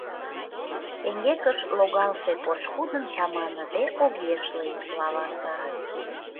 Эҥгекыш логалше пошкудым чаманыде огеш лий, лаваса.